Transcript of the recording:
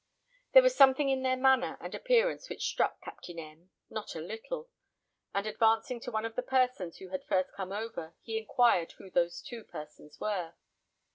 There was something in their manner and appearance which struck Captain M not a little, and advancing to one of the persons who had first come over, he inquired who those two persons were.